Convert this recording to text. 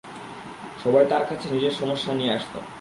সবাই তার কাছে নিজের সমস্যা নিয়ে আসতো।